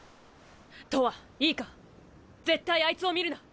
とわいいか絶対あいつを見るな。